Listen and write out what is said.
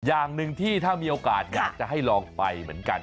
อย่างหนึ่งที่ถ้ามีโอกาสอยากจะให้ลองไปเหมือนกัน